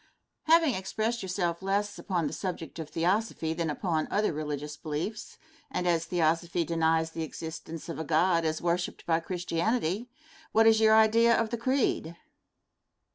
Question. Having expressed yourself less upon the subject of Theosophy than upon other religious beliefs, and as Theosophy denies the existence of a God as worshiped by Christianity, what is your idea of the creed?